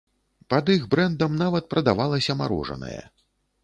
Пад іх брэндам нават прадавалася марожанае.